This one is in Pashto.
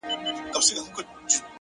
مهرباني د انسان تر ټولو ښکلی میراث دی؛